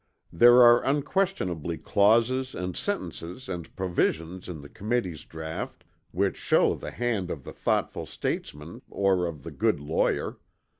There are unquestionably clauses and sentences and provisions in the Committee's draught which show the hand of the thoughtful statesman or of the good lawyer.